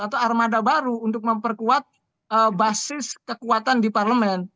atau armada baru untuk memperkuat basis kekuatan di parlemen